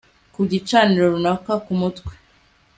ku gicaniro runaka ku mutwe